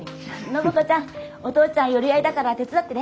暢子ちゃん。お父ちゃん寄り合いだから手伝ってね。